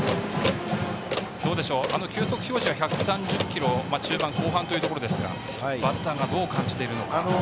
どうでしょう、球速表示は１３０キロの中盤、後半というところですがバッターがどう感じているのか。